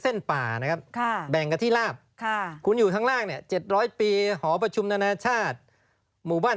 เกาะขอบไว้ใช่ไหมครับ